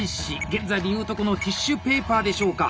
現在でいうとこのティッシュペーパーでしょうか。